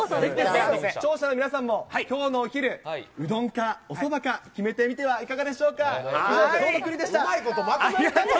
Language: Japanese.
視聴者の皆さんも、きょうのお昼、うどんかおそばか、決めてみてはいかがでしょうか。